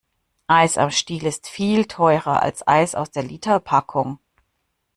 Eis am Stiel ist viel teurer als Eis aus der Literpackung.